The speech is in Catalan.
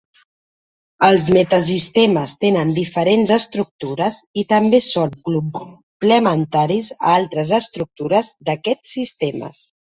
Els metasistemes tenen diferents estructures i també són complementaris a altres estructures d'aquests sistemes.